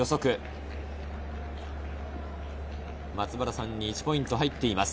松原さんに１ポイント入っています。